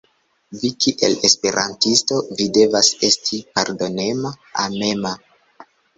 Vi kiel esperantisto, vi devas esti pardonema, amema.